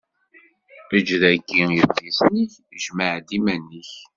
Ejj dagi akk idlisen-ik; jmeɛ-d iman-ik.